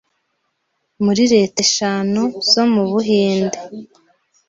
muri leta eshanu zo mu Buhinde